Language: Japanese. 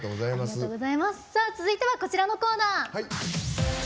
続いてはこちらのコーナー。